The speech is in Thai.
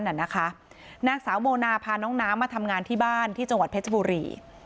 นางสาวโมนาพาน้องน้ำมาทำงานที่บ้านที่จังหวัดเพชรบุรี